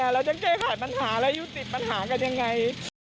เราจะแก้ไขปัญหาและยุติปัญหากันยังไง